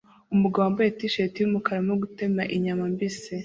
Umugabo wambaye T-shirt yumukara arimo gutema inyama mbisi